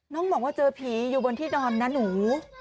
น้องบอกว่าเจอผีอยู่บนที่นอนนะหนู